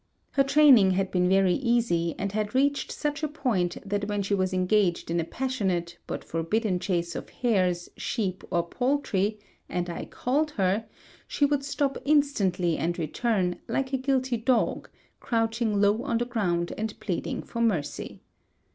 Her training had been very easy and had reached such a point that when she was engaged in a passionate, but forbidden chase of hares, sheep, or poultry, and I called her, she would stop instantly and return, like a guilty dog, crouching low on the ground and pleading for mercy.